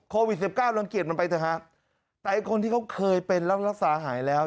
โควิดสิบเก้ารังเกียจมันไปเถอะฮะแต่ไอ้คนที่เขาเคยเป็นแล้วรักษาหายแล้ว